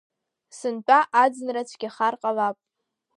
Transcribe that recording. Сынтәа аӡынра цәгьахар ҟалап…